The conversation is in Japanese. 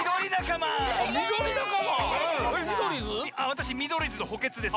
わたしミドリーズのほけつです。